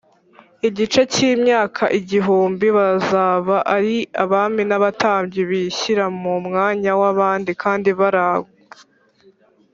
igihe cy Imyaka Igihumbi bazaba ari abami n abatambyi bishyira mu mwanya w abandi kandi barangwa